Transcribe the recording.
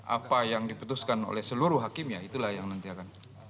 apa yang diputuskan oleh seluruh hakim ya itulah yang nanti akan